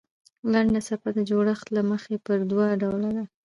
لنډه څپه د جوړښت له مخه پر دوه ډوله ده.